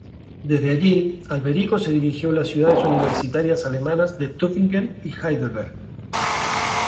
Desde allí, Alberico se dirigió a las ciudades universitarias alemanas de Tübingen y Heidelberg.